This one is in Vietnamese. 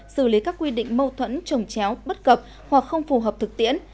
xử lý các quy định mâu thuẫn trồng chéo bất cập hoặc không phù hợp thực tiễn